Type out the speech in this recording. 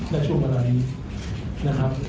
ในช่วงประมาณนี้นะครับ